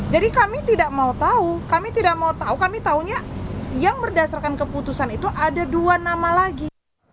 jadi kami tidak mau tahu kami tidak mau tahu kami tahunya yang berdasarkan keputusan itu ada dua nama lagi